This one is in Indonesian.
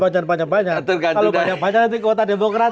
kalau banyak banyak nanti kota demokrat